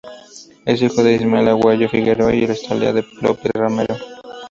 Es hijo de Ismael Aguayo Figueroa y de Estela López Romero.